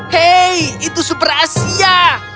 hei itu super asia